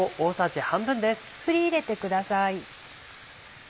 振り入れてください。